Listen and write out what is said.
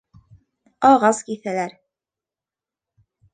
— Ағас киҫәләр.